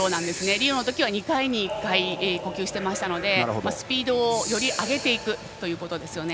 リオのときは２回に１回呼吸していましたのでスピードをより上げるということですね。